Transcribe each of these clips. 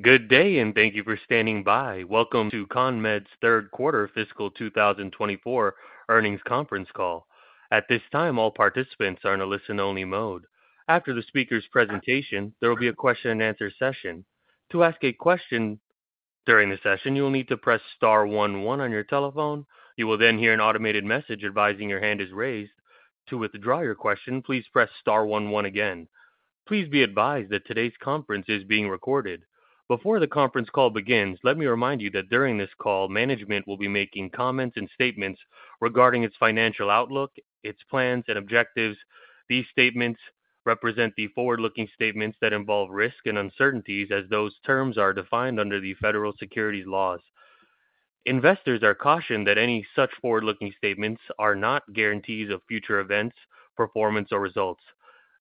Good day, and thank you for standing by. Welcome to CONMED's third quarter fiscal 2024 earnings conference call. At this time, all participants are in a listen-only mode. After the speaker's presentation, there will be a question-and-answer session. To ask a question during the session, you will need to press star one one on your telephone. You will then hear an automated message advising your hand is raised. To withdraw your question, please press star one oneagain. Please be advised that today's conference is being recorded. Before the conference call begins, let me remind you that during this call, management will be making comments and statements regarding its financial outlook, its plans, and objectives. These statements represent the forward-looking statements that involve risk and uncertainties, as those terms are defined under the federal securities laws. Investors are cautioned that any such forward-looking statements are not guarantees of future events, performance, or results.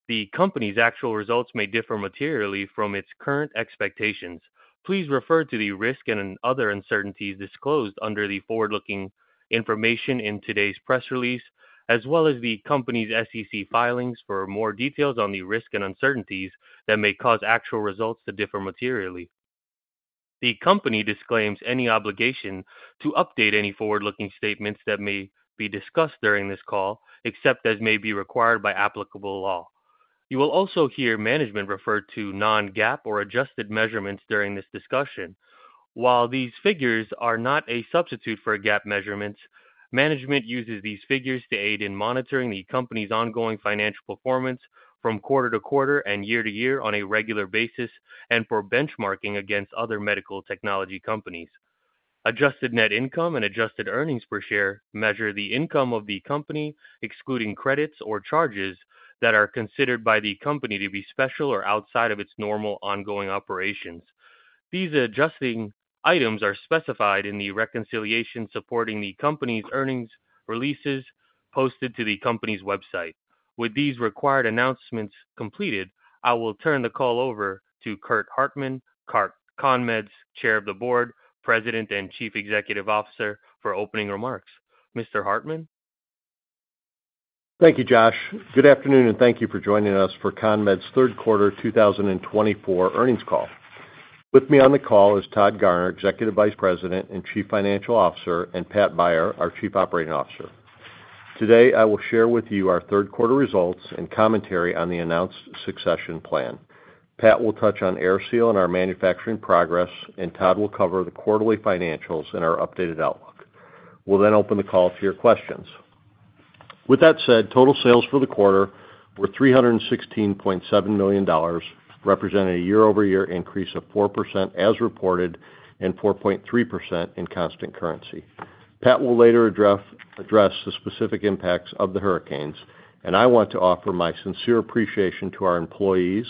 The company's actual results may differ materially from its current expectations. Please refer to the risks and other uncertainties disclosed under the forward-looking information in today's press release, as well as the company's SEC filings for more details on the risks and uncertainties that may cause actual results to differ materially. The company disclaims any obligation to update any forward-looking statements that may be discussed during this call, except as may be required by applicable law. You will also hear management refer to non-GAAP or adjusted measurements during this discussion. While these figures are not a substitute for GAAP measurements, management uses these figures to aid in monitoring the company's ongoing financial performance from quarter-to-quarter and year-to-year on a regular basis and for benchmarking against other medical technology companies. Adjusted net income and adjusted earnings per share measure the income of the company, excluding credits or charges that are considered by the company to be special or outside of its normal ongoing operations. These adjusting items are specified in the reconciliation supporting the company's earnings releases posted to the company's website. With these required announcements completed, I will turn the call over to Curt Hartman, CONMED's Chair of the Board, President, and Chief Executive Officer for opening remarks. Mr. Hartman. Thank you, Josh. Good afternoon, and thank you for joining us for CONMED's third quarter 2024 earnings call. With me on the call is Todd Garner, Executive Vice President and Chief Financial Officer, and Pat Beyer, our Chief Operating Officer. Today, I will share with you our third quarter results and commentary on the announced succession plan. Pat will touch on AirSeal and our manufacturing progress, and Todd will cover the quarterly financials and our updated outlook. We'll then open the call to your questions. With that said, total sales for the quarter were $316.7 million, representing a year-over-year increase of 4% as reported and 4.3% in constant currency. Pat will later address the specific impacts of the hurricanes, and I want to offer my sincere appreciation to our employees,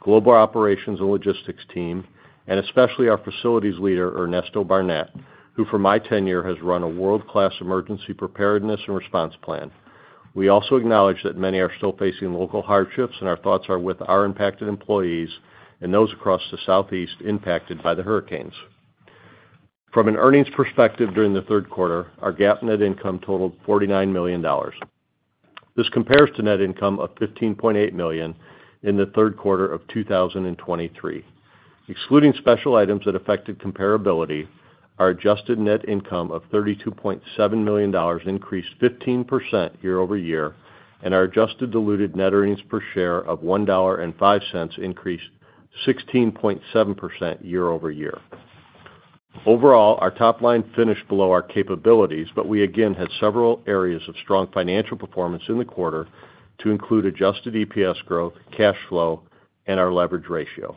global operations and logistics team, and especially our facilities leader, Ernesto Arnett, who, for my tenure, has run a world-class emergency preparedness and response plan. We also acknowledge that many are still facing local hardships, and our thoughts are with our impacted employees and those across the Southeast impacted by the hurricanes. From an earnings perspective, during the third quarter, our GAAP net income totaled $49 million. This compares to net income of $15.8 million in the third quarter of 2023. Excluding special items that affected comparability, our adjusted net income of $32.7 million increased 15% year-over-year, and our adjusted diluted net earnings per share of $1.05 increased 16.7% year-over-year. Overall, our top line finished below our capabilities, but we again had several areas of strong financial performance in the quarter to include adjusted EPS growth, cash flow, and our leverage ratio.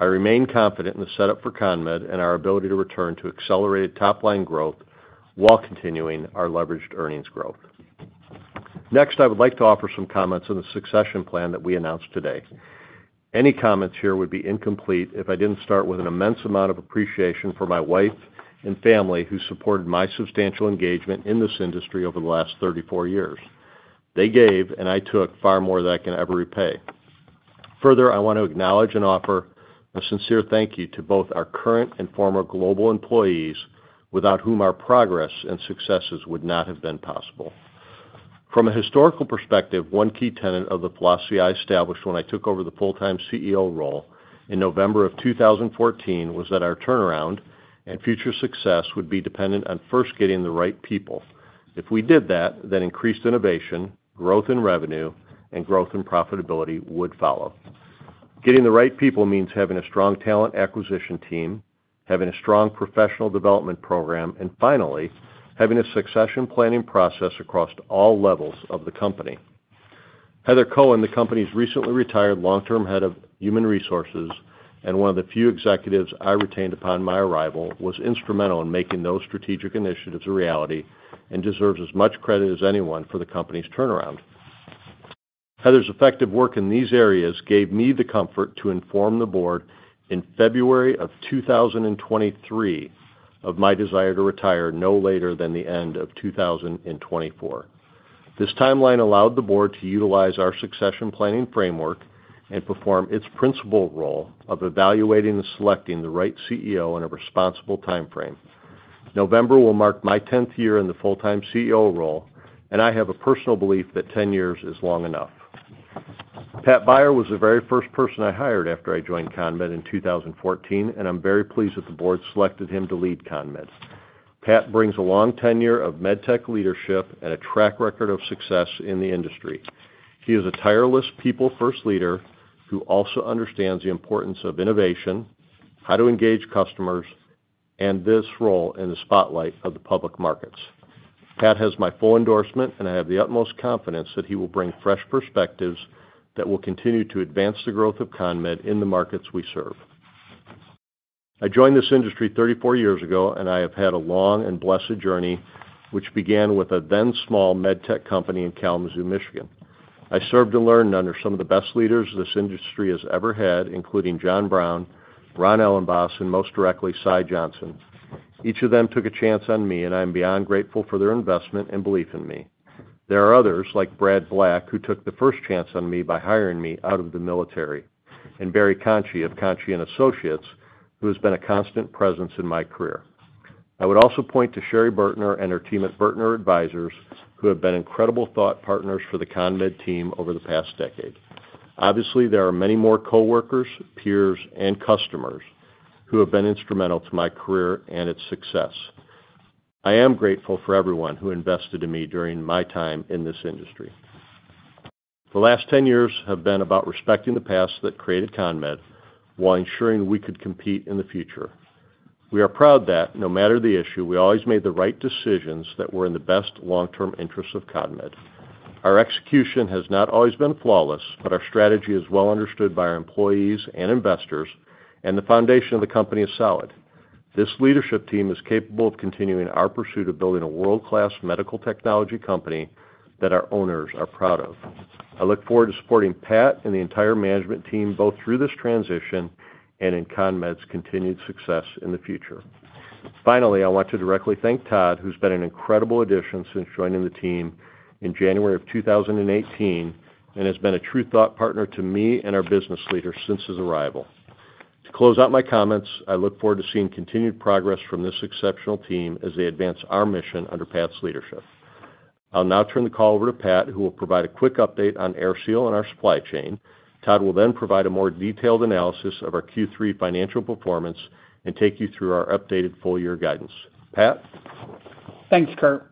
I remain confident in the setup for CONMED and our ability to return to accelerated top line growth while continuing our leveraged earnings growth. Next, I would like to offer some comments on the succession plan that we announced today. Any comments here would be incomplete if I didn't start with an immense amount of appreciation for my wife and family who supported my substantial engagement in this industry over the last 34 years. They gave, and I took far more than I can ever repay. Further, I want to acknowledge and offer a sincere thank you to both our current and former global employees, without whom our progress and successes would not have been possible. From a historical perspective, one key tenet of the philosophy I established when I took over the full-time CEO role in November of 2014 was that our turnaround and future success would be dependent on first getting the right people. If we did that, then increased innovation, growth in revenue, and growth in profitability would follow. Getting the right people means having a strong talent acquisition team, having a strong professional development program, and finally, having a succession planning process across all levels of the company. Heather Cohen, the company's recently retired long-term head of human resources and one of the few executives I retained upon my arrival, was instrumental in making those strategic initiatives a reality and deserves as much credit as anyone for the company's turnaround. Heather's effective work in these areas gave me the comfort to inform the board in February of 2023 of my desire to retire no later than the end of 2024. This timeline allowed the board to utilize our succession planning framework and perform its principal role of evaluating and selecting the right CEO in a responsible timeframe. November will mark my 10th year in the full-time CEO role, and I have a personal belief that 10 years is long enough. Pat Beyer was the very first person I hired after I joined CONMED in 2014, and I'm very pleased that the board selected him to lead CONMED. Pat brings a long tenure of medtech leadership and a track record of success in the industry. He is a tireless people-first leader who also understands the importance of innovation, how to engage customers, and this role in the spotlight of the public markets. Pat has my full endorsement, and I have the utmost confidence that he will bring fresh perspectives that will continue to advance the growth of CONMED in the markets we serve. I joined this industry 34 years ago, and I have had a long and blessed journey, which began with a then small medtech company in Kalamazoo, Michigan. I served and learned under some of the best leaders this industry has ever had, including John Brown, Ron Elenbaas, and most directly, Si Johnson. Each of them took a chance on me, and I am beyond grateful for their investment and belief in me. There are others like Brad Black, who took the first chance on me by hiring me out of the military, and Barry Conchie of Conchie and Associates, who has been a constant presence in my career. I would also point to Shari Bertner and her team at Bertner Advisors, who have been incredible thought partners for the CONMED team over the past decade. Obviously, there are many more coworkers, peers, and customers who have been instrumental to my career and its success. I am grateful for everyone who invested in me during my time in this industry. The last 10 years have been about respecting the past that created CONMED while ensuring we could compete in the future. We are proud that, no matter the issue, we always made the right decisions that were in the best long-term interests of CONMED. Our execution has not always been flawless, but our strategy is well understood by our employees and investors, and the foundation of the company is solid. This leadership team is capable of continuing our pursuit of building a world-class medical technology company that our owners are proud of. I look forward to supporting Pat and the entire management team, both through this transition and in CONMED's continued success in the future. Finally, I want to directly thank Todd, who's been an incredible addition since joining the team in January of 2018 and has been a true thought partner to me and our business leader since his arrival. To close out my comments, I look forward to seeing continued progress from this exceptional team as they advance our mission under Pat's leadership. I'll now turn the call over to Pat, who will provide a quick update on AirSeal and our supply chain. Todd will then provide a more detailed analysis of our Q3 financial performance and take you through our updated full-year guidance. Pat? Thanks, Curt.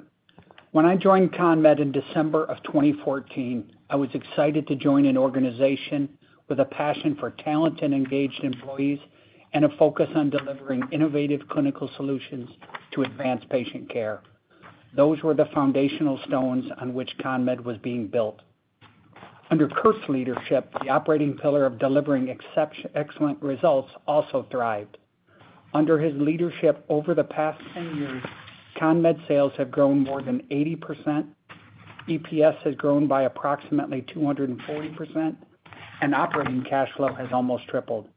When I joined CONMED in December of 2014, I was excited to join an organization with a passion for talent and engaged employees and a focus on delivering innovative clinical solutions to advance patient care. Those were the foundational stones on which CONMED was being built. Under Curt's leadership, the operating pillar of delivering excellent results also thrived. Under his leadership, over the past 10 years, CONMED sales have grown more than 80%, EPS has grown by approximately 240%, and operating cash flow has almost tripled.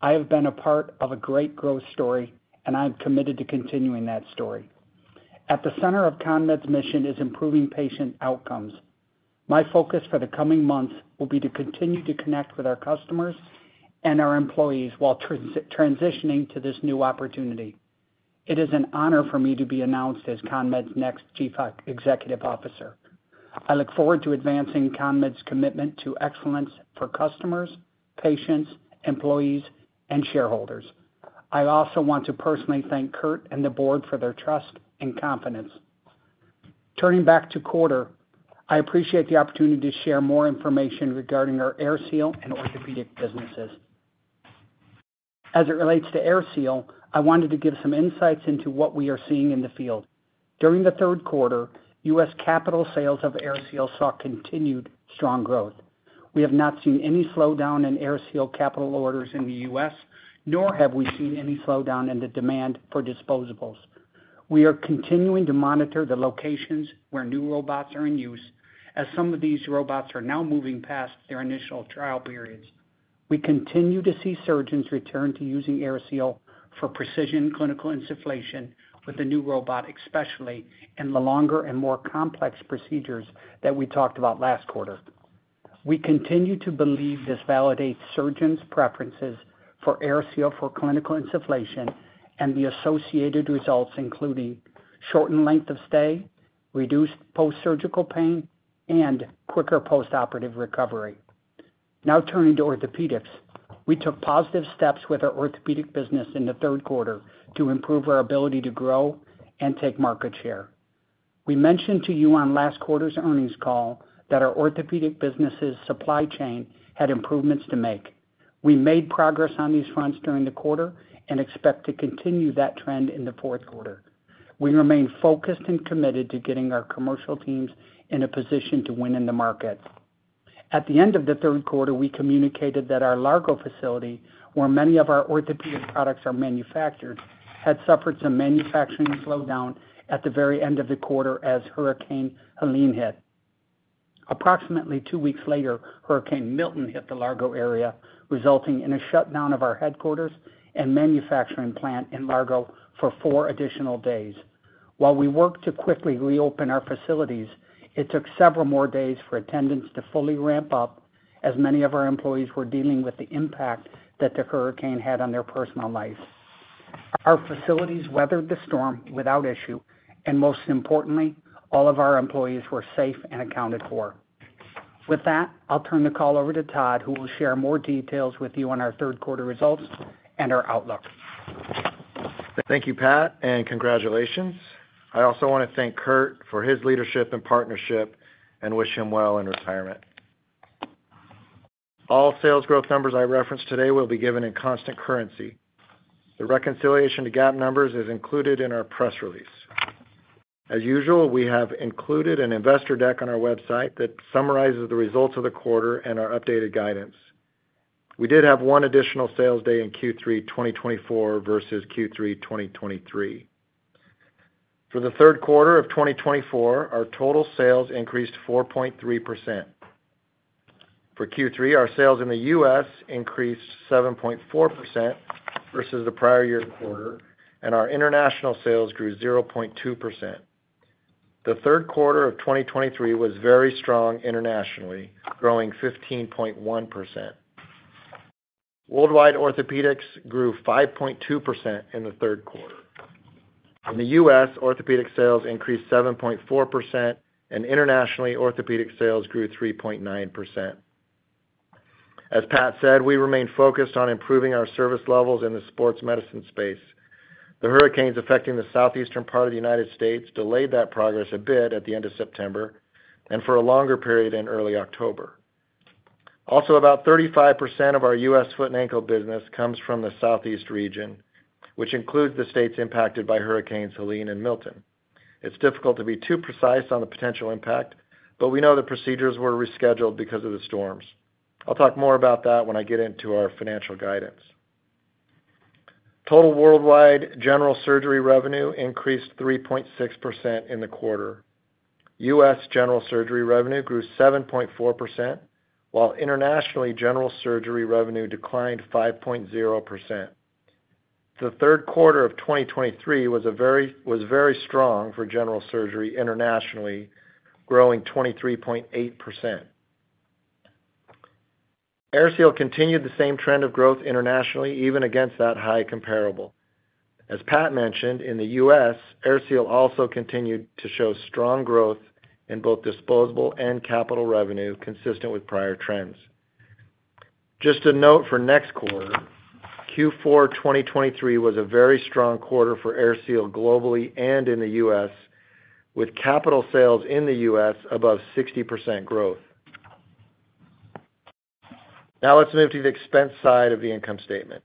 I have been a part of a great growth story, and I am committed to continuing that story. At the center of CONMED's mission is improving patient outcomes. My focus for the coming months will be to continue to connect with our customers and our employees while transitioning to this new opportunity. It is an honor for me to be announced as CONMED's next Chief Executive Officer. I look forward to advancing CONMED's commitment to excellence for customers, patients, employees, and shareholders. I also want to personally thank Curt and the board for their trust and confidence. Turning back to quarter, I appreciate the opportunity to share more information regarding our AirSeal and orthopedic businesses. As it relates to AirSeal, I wanted to give some insights into what we are seeing in the field. During the third quarter, U.S. capital sales of AirSeal saw continued strong growth. We have not seen any slowdown in AirSeal capital orders in the U.S., nor have we seen any slowdown in the demand for disposables. We are continuing to monitor the locations where new robots are in use, as some of these robots are now moving past their initial trial periods. We continue to see surgeons return to using AirSeal for precision clinical insufflation with the new robot, especially in the longer and more complex procedures that we talked about last quarter. We continue to believe this validates surgeons' preferences for AirSeal for clinical insufflation and the associated results, including shortened length of stay, reduced post-surgical pain, and quicker post-operative recovery. Now turning to orthopedics, we took positive steps with our orthopedic business in the third quarter to improve our ability to grow and take market share. We mentioned to you on last quarter's earnings call that our orthopedic business's supply chain had improvements to make. We made progress on these fronts during the quarter and expect to continue that trend in the fourth quarter. We remain focused and committed to getting our commercial teams in a position to win in the market. At the end of the third quarter, we communicated that our Largo facility, where many of our orthopedic products are manufactured, had suffered some manufacturing slowdown at the very end of the quarter as Hurricane Helene hit. Approximately two weeks later, Hurricane Milton hit the Largo area, resulting in a shutdown of our headquarters and manufacturing plant in Largo for four additional days. While we worked to quickly reopen our facilities, it took several more days for attendance to fully ramp up, as many of our employees were dealing with the impact that the hurricane had on their personal life. Our facilities weathered the storm without issue, and most importantly, all of our employees were safe and accounted for. With that, I'll turn the call over to Todd, who will share more details with you on our third quarter results and our outlook. Thank you, Pat, and congratulations. I also want to thank Curt for his leadership and partnership and wish him well in retirement. All sales growth numbers I referenced today will be given in constant currency. The reconciliation to GAAP numbers is included in our press release. As usual, we have included an investor deck on our website that summarizes the results of the quarter and our updated guidance. We did have one additional sales day in Q3 2024 versus Q3 2023. For the third quarter of 2024, our total sales increased 4.3%. For Q3, our sales in the U.S. increased 7.4% versus the prior year quarter, and our international sales grew 0.2%. The third quarter of 2023 was very strong internationally, growing 15.1%. Worldwide orthopedics grew 5.2% in the third quarter. In the U.S., orthopedic sales increased 7.4%, and internationally, orthopedic sales grew 3.9%. As Pat said, we remain focused on improving our service levels in the sports medicine space. The hurricanes affecting the southeastern part of the United States delayed that progress a bit at the end of September and for a longer period in early October. Also, about 35% of our U.S. foot and ankle business comes from the Southeast region, which includes the states impacted by Hurricanes Helene and Milton. It's difficult to be too precise on the potential impact, but we know the procedures were rescheduled because of the storms. I'll talk more about that when I get into our financial guidance. Total worldwide general surgery revenue increased 3.6% in the quarter. U.S. general surgery revenue grew 7.4%, while internationally general surgery revenue declined 5.0%. The third quarter of 2023 was very strong for general surgery internationally, growing 23.8%. AirSeal continued the same trend of growth internationally, even against that high comparable. As Pat mentioned, in the U.S., AirSeal also continued to show strong growth in both disposable and capital revenue, consistent with prior trends. Just a note for next quarter, Q4 2023 was a very strong quarter for AirSeal globally and in the U.S., with capital sales in the U.S. above 60% growth. Now let's move to the expense side of the income statement.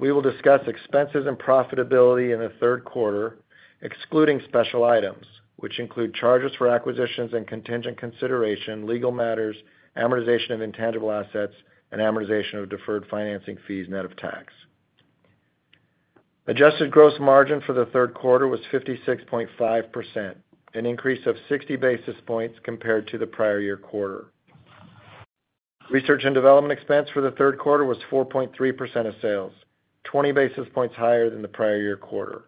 We will discuss expenses and profitability in the third quarter, excluding special items, which include charges for acquisitions and contingent consideration, legal matters, amortization of intangible assets, and amortization of deferred financing fees, net of tax. Adjusted gross margin for the third quarter was 56.5%, an increase of 60 basis points compared to the prior year quarter. Research and development expense for the third quarter was 4.3% of sales, 20 basis points higher than the prior year quarter.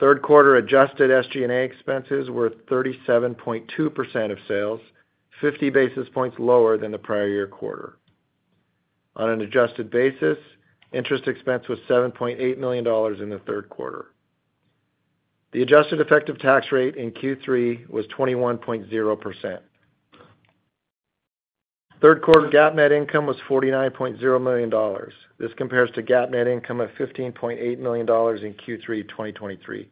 Third quarter adjusted SG&A expenses were 37.2% of sales, 50 basis points lower than the prior year quarter. On an adjusted basis, interest expense was $7.8 million in the third quarter. The adjusted effective tax rate in Q3 was 21.0%. Third quarter GAAP net income was $49.0 million. This compares to GAAP net income of $15.8 million in Q3 2023.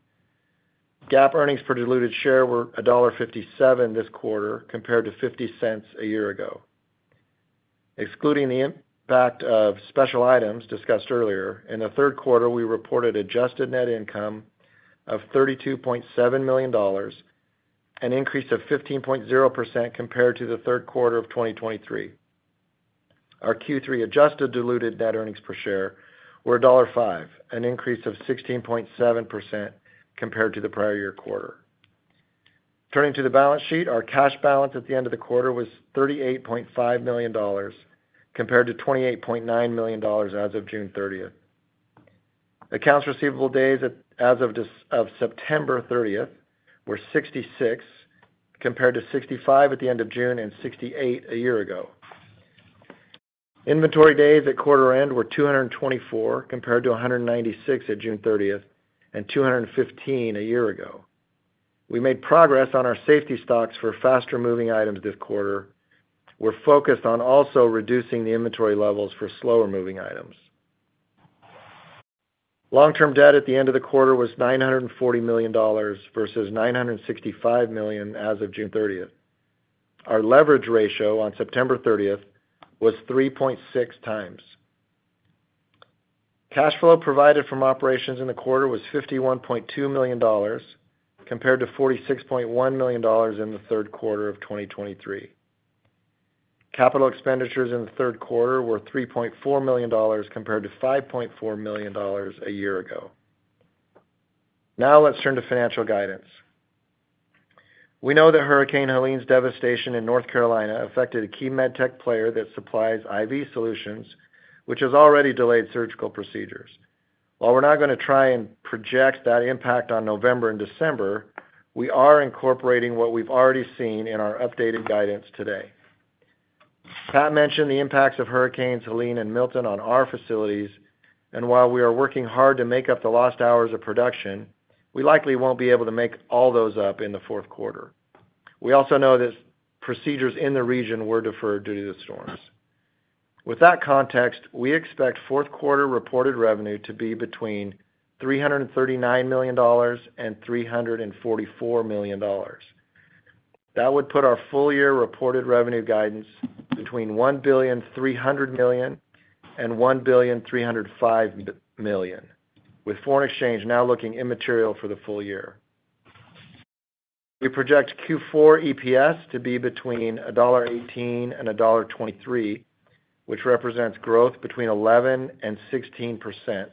GAAP earnings per diluted share were $1.57 this quarter, compared to $0.50 a year ago. Excluding the impact of special items discussed earlier, in the third quarter, we reported adjusted net income of $32.7 million, an increase of 15.0% compared to the third quarter of 2023. Our Q3 adjusted diluted net earnings per share were $1.05, an increase of 16.7% compared to the prior year quarter. Turning to the balance sheet, our cash balance at the end of the quarter was $38.5 million, compared to $28.9 million as of June 30th. Accounts receivable days as of September 30th were 66, compared to 65 at the end of June and 68 a year ago. Inventory days at quarter end were 224, compared to 196 at June 30th and 215 a year ago. We made progress on our safety stocks for faster moving items this quarter. We're focused on also reducing the inventory levels for slower moving items. Long-term debt at the end of the quarter was $940 million versus $965 million as of June 30th. Our leverage ratio on September 30th was 3.6 times. Cash flow provided from operations in the quarter was $51.2 million, compared to $46.1 million in the third quarter of 2023. Capital expenditures in the third quarter were $3.4 million, compared to $5.4 million a year ago. Now let's turn to financial guidance. We know that Hurricane Helene's devastation in North Carolina affected a key med tech player that supplies IV solutions, which has already delayed surgical procedures. While we're not going to try and project that impact on November and December, we are incorporating what we've already seen in our updated guidance today. Pat mentioned the impacts of Hurricanes Helene and Milton on our facilities, and while we are working hard to make up the lost hours of production, we likely won't be able to make all those up in the fourth quarter. We also know that procedures in the region were deferred due to the storms. With that context, we expect fourth quarter reported revenue to be between $339 million and $344 million. That would put our full-year reported revenue guidance between $1,300 million and $1,305 million, with foreign exchange now looking immaterial for the full-year. We project Q4 EPS to be between $1.18 and $1.23, which represents growth between 11% and 16%.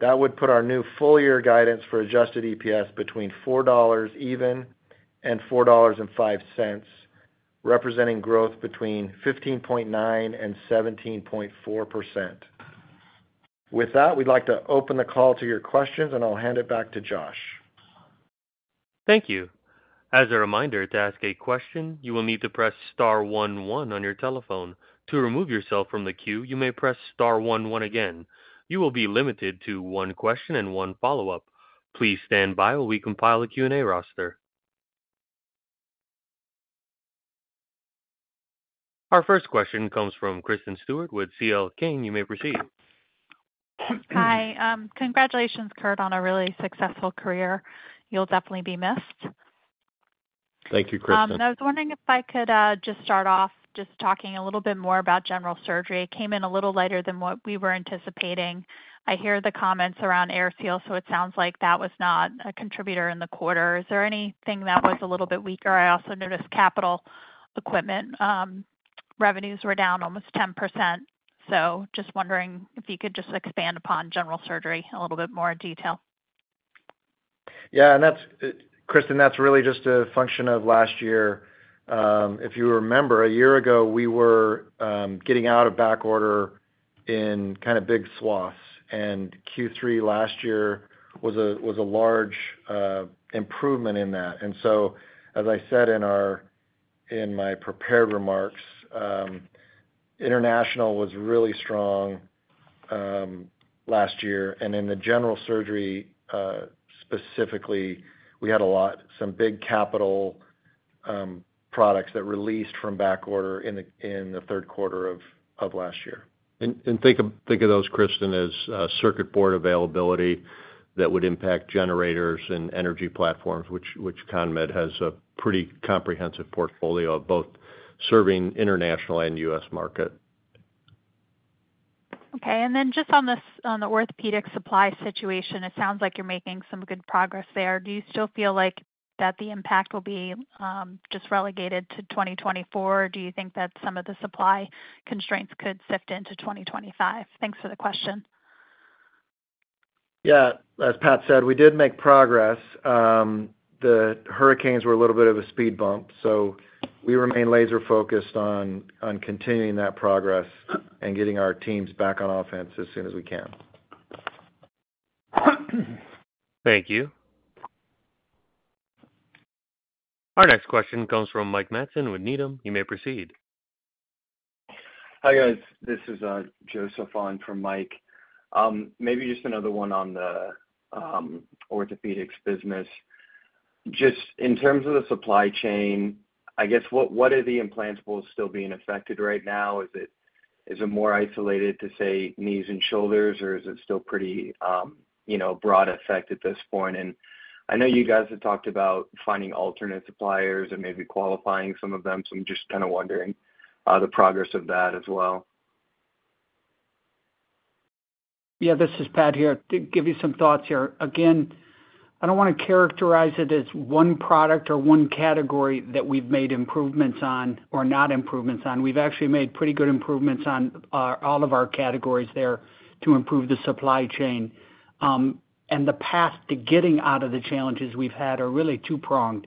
That would put our new full-year guidance for adjusted EPS between $4.00 even and $4.05, representing growth between 15.9% and 17.4%. With that, we'd like to open the call to your questions, and I'll hand it back to Josh. Thank you. As a reminder, to ask a question, you will need to press star one one on your telephone. To remove yourself from the queue, you may press star one one again. You will be limited to one question and one follow-up. Please stand by while we compile a Q&A roster. Our first question comes from Kristen Stewart with C.L. King. You may proceed. Hi. Congratulations, Curt, on a really successful career. You'll definitely be missed. Thank you, Kristen. I was wondering if I could just start off just talking a little bit more about general surgery. It came in a little later than what we were anticipating. I hear the comments around AirSeal, so it sounds like that was not a contributor in the quarter. Is there anything that was a little bit weaker? I also noticed capital equipment revenues were down almost 10%. So just wondering if you could just expand upon general surgery a little bit more in detail. Yeah. And that's, Kristen, that's really just a function of last year. If you remember, a year ago, we were getting out of back order in kind of big swaths, and Q3 last year was a large improvement in that. And so, as I said in my prepared remarks, international was really strong last year. And in the general surgery specifically, we had a lot, some big capital products that released from back order in the third quarter of last year. Think of those, Kristen, as circuit board availability that would impact generators and energy platforms, which CONMED has a pretty comprehensive portfolio of both serving international and U.S. market. Okay, and then just on the orthopedic supply situation, it sounds like you're making some good progress there. Do you still feel like that the impact will be just relegated to 2024? Do you think that some of the supply constraints could shift into 2025? Thanks for the question. Yeah. As Pat said, we did make progress. The hurricanes were a little bit of a speed bump, so we remain laser-focused on continuing that progress and getting our teams back on offense as soon as we can. Thank you. Our next question comes from Mike Matson with Needham. You may proceed. Hi, guys. This is Joseph on for Mike. Maybe just another one on the orthopedics business. Just in terms of the supply chain, I guess, what are the implantables still being affected right now? Is it more isolated to, say, knees and shoulders, or is it still pretty broad effect at this point? And I know you guys have talked about finding alternate suppliers and maybe qualifying some of them. So I'm just kind of wondering the progress of that as well. Yeah, this is Pat here. Give you some thoughts here. Again, I don't want to characterize it as one product or one category that we've made improvements on or not improvements on. We've actually made pretty good improvements on all of our categories there to improve the supply chain, and the path to getting out of the challenges we've had is really two-pronged.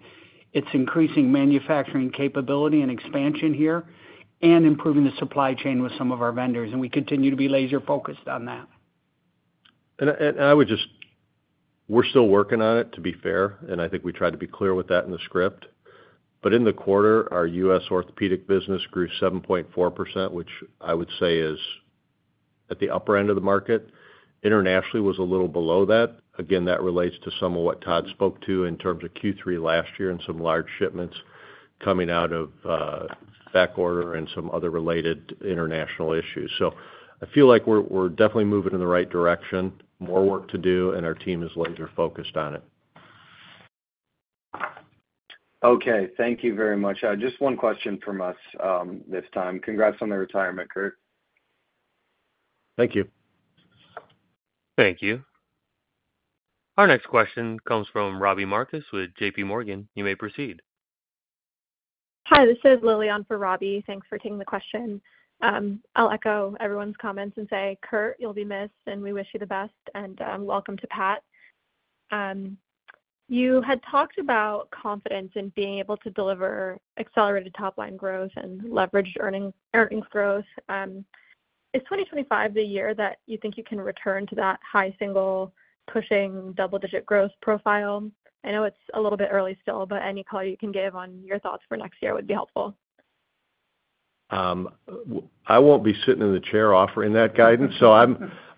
It's increasing manufacturing capability and expansion here and improving the supply chain with some of our vendors, and we continue to be laser-focused on that. And I would just, we're still working on it, to be fair, and I think we tried to be clear with that in the script. But in the quarter, our U.S. orthopedic business grew 7.4%, which I would say is at the upper end of the market. Internationally, it was a little below that. Again, that relates to some of what Todd spoke to in terms of Q3 last year and some large shipments coming out of back order and some other related international issues. So I feel like we're definitely moving in the right direction. More work to do, and our team is laser-focused on it. Okay. Thank you very much. Just one question from us this time. Congrats on the retirement, Curt. Thank you. Thank you. Our next question comes from Robbie Marcus with J.P. Morgan. You may proceed. Hi. This is Lilia on for Robbie. Thanks for taking the question. I'll echo everyone's comments and say, Curt, you'll be missed, and we wish you the best, and welcome to Pat. You had talked about confidence in being able to deliver accelerated top-line growth and leveraged earnings growth. Is 2025 the year that you think you can return to that high single-pushing double-digit growth profile? I know it's a little bit early still, but any color you can give on your thoughts for next year would be helpful. I won't be sitting in the chair offering that guidance, so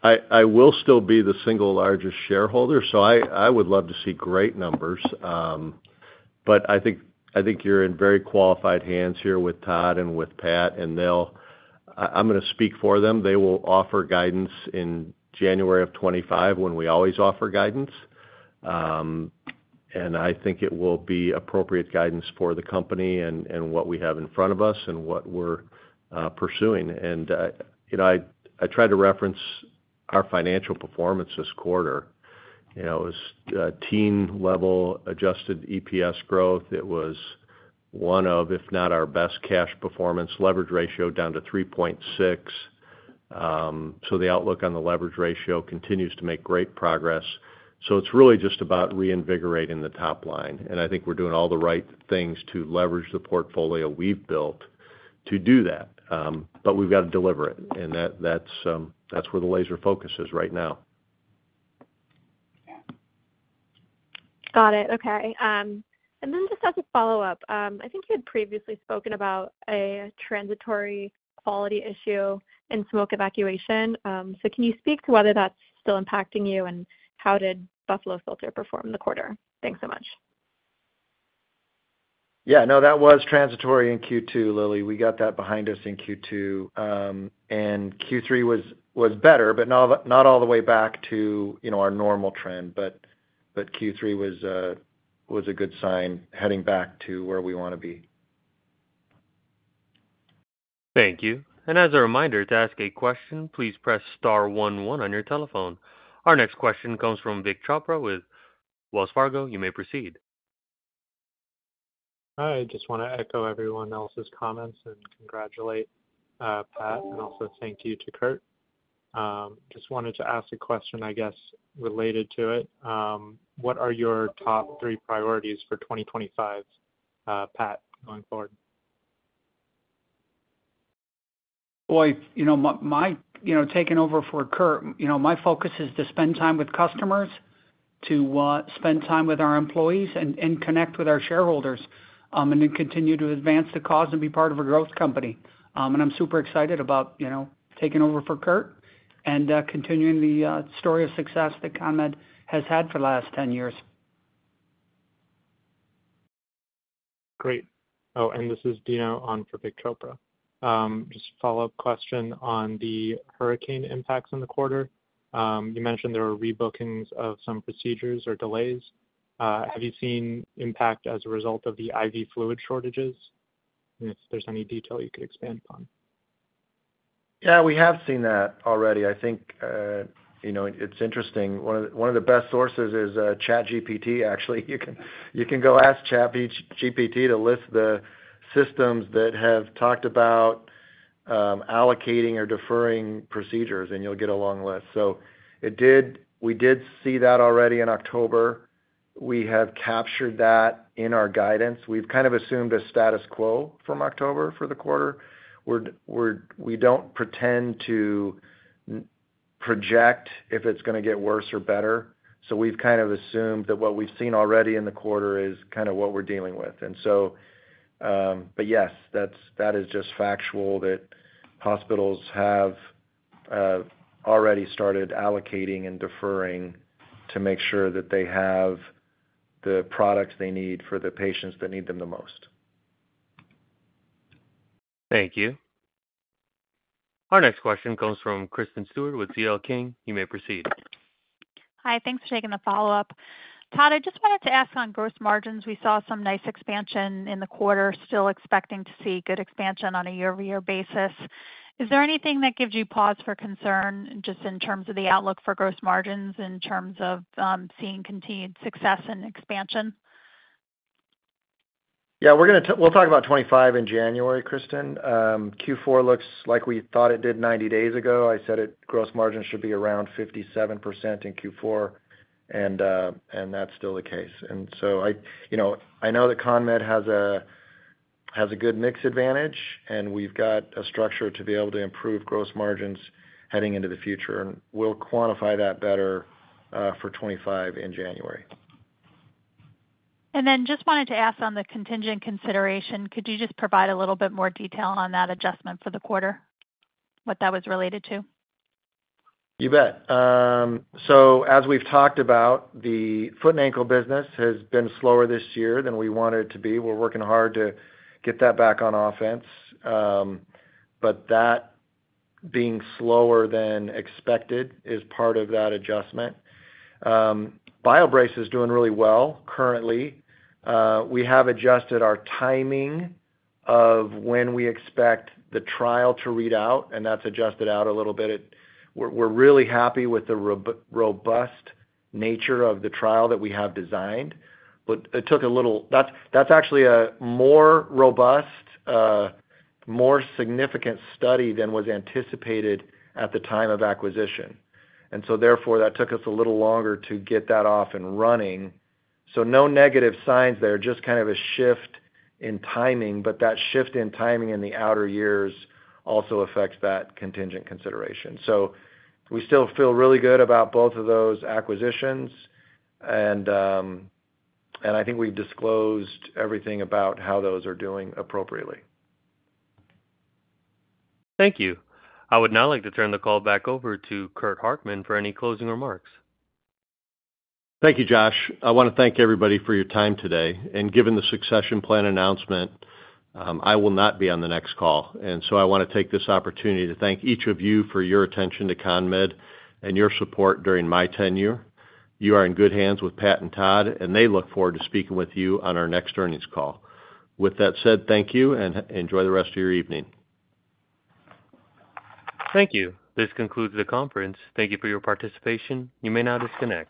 I will still be the single largest shareholder. So I would love to see great numbers. But I think you're in very qualified hands here with Todd and with Pat, and I'm going to speak for them. They will offer guidance in January of 2025 when we always offer guidance. And I think it will be appropriate guidance for the company and what we have in front of us and what we're pursuing. And I tried to reference our financial performance this quarter. It was teen-level adjusted EPS growth. It was one of, if not our best cash performance, leverage ratio down to 3.6. So the outlook on the leverage ratio continues to make great progress. So it's really just about reinvigorating the top line. And I think we're doing all the right things to leverage the portfolio we've built to do that. But we've got to deliver it. And that's where the laser focus is right now. Got it. Okay. And then just as a follow-up, I think you had previously spoken about a transitory quality issue in smoke evacuation. So can you speak to whether that's still impacting you and how did Buffalo Filter perform the quarter? Thanks so much. Yeah. No, that was transitory in Q2, Lily. We got that behind us in Q2. And Q3 was better, but not all the way back to our normal trend. But Q3 was a good sign heading back to where we want to be. Thank you. And as a reminder, to ask a question, please press star one one on your telephone. Our next question comes from Vik Chopra with Wells Fargo. You may proceed. Hi. I just want to echo everyone else's comments and congratulate Pat, and also thank you to Curt. Just wanted to ask a question, I guess, related to it. What are your top three priorities for 2025, Pat, going forward? Boy, taking over for Curt, my focus is to spend time with customers, to spend time with our employees, and connect with our shareholders, and then continue to advance the cause and be part of a growth company. And I'm super excited about taking over for Curt and continuing the story of success that CONMED has had for the last 10 years. Great. Oh, and this is Dino on for Vik Chopra. Just follow-up question on the hurricane impacts in the quarter. You mentioned there were rebookings of some procedures or delays. Have you seen impact as a result of the IV fluid shortages? And if there's any detail you could expand upon? Yeah, we have seen that already. I think it's interesting. One of the best sources is ChatGPT, actually. You can go ask ChatGPT to list the systems that have talked about allocating or deferring procedures, and you'll get a long list. So we did see that already in October. We have captured that in our guidance. We've kind of assumed a status quo from October for the quarter. We don't pretend to project if it's going to get worse or better. So we've kind of assumed that what we've seen already in the quarter is kind of what we're dealing with. And so, but yes, that is just factual that hospitals have already started allocating and deferring to make sure that they have the products they need for the patients that need them the most. Thank you. Our next question comes from Kristen Stewart with C.L. King. You may proceed. Hi. Thanks for taking the follow-up. Todd, I just wanted to ask on gross margins. We saw some nice expansion in the quarter, still expecting to see good expansion on a year-over-year basis. Is there anything that gives you pause for concern just in terms of the outlook for gross margins in terms of seeing continued success and expansion? Yeah. We'll talk about 2025 in January, Kristen. Q4 looks like we thought it did 90 days ago. I said gross margins should be around 57% in Q4, and that's still the case. And so I know that CONMED has a good mix advantage, and we've got a structure to be able to improve gross margins heading into the future. And we'll quantify that better for 2025 in January. And then just wanted to ask on the contingent consideration. Could you just provide a little bit more detail on that adjustment for the quarter, what that was related to? You bet. So as we've talked about, the foot and ankle business has been slower this year than we wanted it to be. We're working hard to get that back on offense. But that being slower than expected is part of that adjustment. BioBrace is doing really well currently. We have adjusted our timing of when we expect the trial to read out, and that's adjusted out a little bit. We're really happy with the robust nature of the trial that we have designed. But it took a little, that's actually a more robust, more significant study than was anticipated at the time of acquisition. And so therefore, that took us a little longer to get that off and running. So no negative signs there, just kind of a shift in timing. But that shift in timing in the outer years also affects that contingent consideration. So we still feel really good about both of those acquisitions. And I think we've disclosed everything about how those are doing appropriately. Thank you. I would now like to turn the call back over to Curt Hartman for any closing remarks. Thank you, Josh. I want to thank everybody for your time today, and given the succession plan announcement, I will not be on the next call, and so I want to take this opportunity to thank each of you for your attention to CONMED and your support during my tenure. You are in good hands with Pat and Todd, and they look forward to speaking with you on our next earnings call. With that said, thank you, and enjoy the rest of your evening. Thank you. This concludes the conference. Thank you for your participation. You may now disconnect.